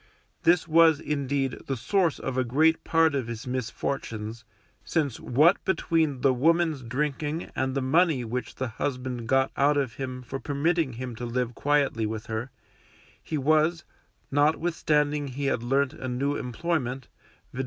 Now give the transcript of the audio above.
This was, indeed, the source of a great part of his misfortunes, since what between the woman's drinking and the money which the husband got out of him for permitting him to live quietly with her, he was (notwithstanding he had learnt a new employment, viz.